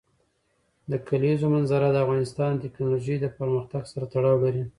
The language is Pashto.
د کلیزو منظره د افغانستان د تکنالوژۍ پرمختګ سره تړاو لري.